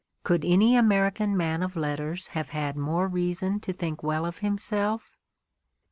Could any American man of letters have had more reason to think well of himself?